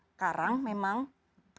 sekarang memang kita bekerja sama dengan bobo